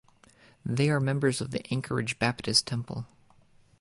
They are members of the Anchorage Baptist Temple.